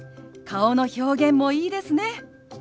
顔の表現もいいですね。